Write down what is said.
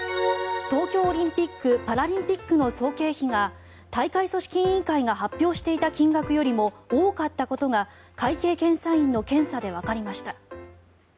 東京オリンピック・パラリンピックの総経費が大会組織委員会が発表していた金額よりも多かったことが会計検査院の検査でわかりました。